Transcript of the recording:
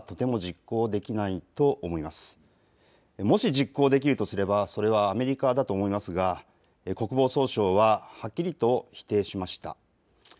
もし実行できるとすればそれはアメリカだと思いますが国防総省ははっきりと否定しました。